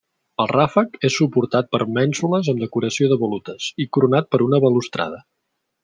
El ràfec és suportat per mènsules amb decoració de volutes i coronat per una balustrada.